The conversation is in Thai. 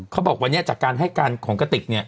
เขาบอกวันนี้จากการให้การของกระติกเนี่ย